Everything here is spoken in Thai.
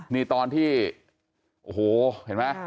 นี่ตอนที่โอ้โหเห็นไหม